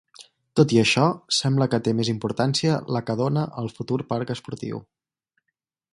Tot i això, sembla que té més importància la que dóna al futur parc esportiu.